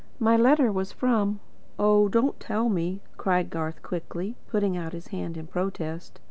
My letter was from " "Oh, don't tell me," cried Garth quickly, putting out his hand in protest.